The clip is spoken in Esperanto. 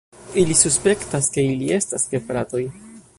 Ili suspektas, ke ili estas gefratoj.